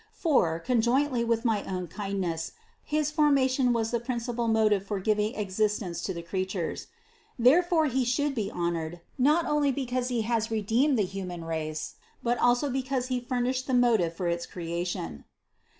For, conjointly with my own kindness, his formation was the principal motive for giv ing existence to the creatures. Therefore He should be honored, not onlv because He has redeemed the human 80 CITY OF GOD race, but also because he furnished the motive for its creation."